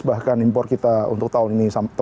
bahkan impor kita untuk tahun ini